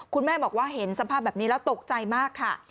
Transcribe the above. คุณแม่บอกว่าเห็นสภาพแบบนี้แล้วตกใจมากค่ะ